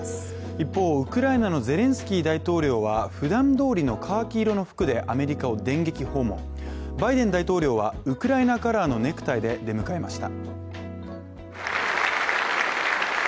一方、ウクライナのゼレンスキー大統領は普段どおりのカーキ色の服でアメリカを電撃訪問、バイデン大統領はウクライナカラーのネクタイで出迎えました。